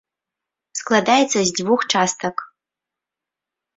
Складаецца з дзвюх частак.